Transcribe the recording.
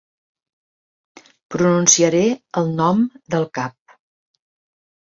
Pronunciaré el nom del cap.